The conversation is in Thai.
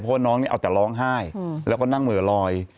เพราะว่าน้องนี่เอาแต่ร้องไห้แล้วก็นั่งเหลื่อลอย